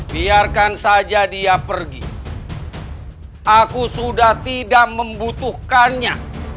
biarkan saja dia pergi aku sudah tidak membutuhkannya